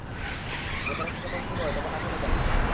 গতরাতে যখন খুন হয় তখন আসোনি কেন?